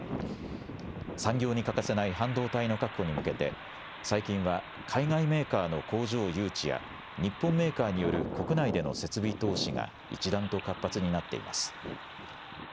産業に欠かせない半導体の確保に向けて最近は海外メーカーの工場誘致や日本メーカーによる国内での設備投資が一段と活発になっています。